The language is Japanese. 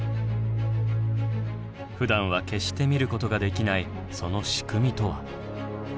ふだんは決して見ることができないその仕組みとは。